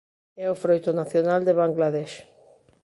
É o froito nacional de Bangladesh.